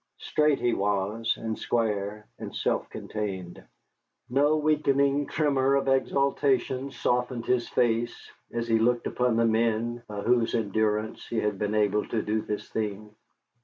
Straight he was, and square, and self contained. No weakening tremor of exultation softened his face as he looked upon the men by whose endurance he had been able to do this thing.